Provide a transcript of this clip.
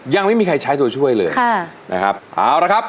ยังไม่มีใครตัวช่วยเลยนะครับ